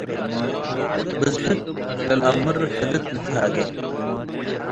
ብዝሕት ለለአምር ሕድት ልትሃጌ።